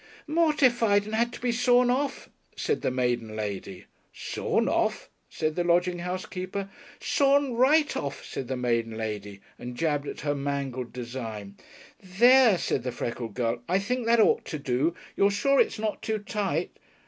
"Mortified, and had to be sawn off," said the maiden lady. "Sawn off?" said the lodging house keeper. "Sawn right off," said the maiden lady, and jabbed at her mangled design. "There," said the freckled girl, "I think that ought to do. You're sure it's not too tight?"